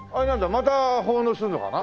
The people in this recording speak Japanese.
また奉納するのかな？